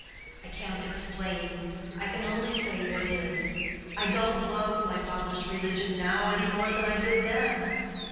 "I can't explain; I can only say what is. I don't love my father's religion now any more than I did then.